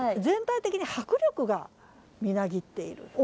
全体的に迫力がみなぎっている。